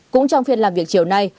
cũng trong phiên làm việc chiều nay